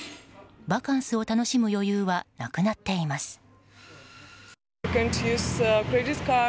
バカンスを楽しむ余裕はなくなっています。